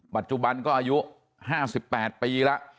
ปัจจุบันก็อายุ๕๘ปีแล้ว